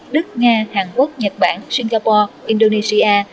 đức nga hàn quốc nhật bản singapore indonesia